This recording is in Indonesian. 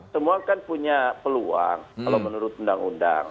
semua kan punya peluang kalau menurut undang undang